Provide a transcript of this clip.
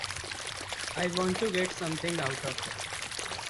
I want to get something out of it.